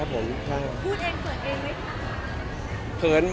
พูดเองเผินด้วย